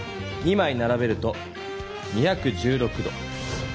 まいならべると２１６度。